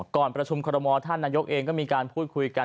ก่อนประชุมคอรมอลท่านนายกเองก็มีการพูดคุยกัน